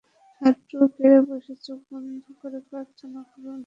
হাঁটু গেড়ে বসে চোখ বন্ধ করে প্রার্থনা করুন।